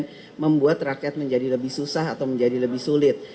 yang membuat rakyat menjadi lebih susah atau menjadi lebih sulit